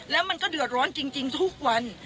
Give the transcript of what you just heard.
แล้วมันก็เดือดร้อนจริงทุกวัน